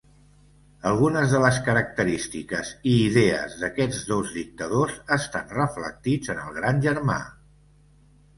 Algunes de les característiques i idees d'aquests dos dictadors estan reflectits en el Gran Germà.